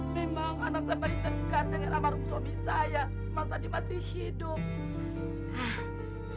memang anak saya paling dekat dengan almarhum suami saya semasa dia masih hidup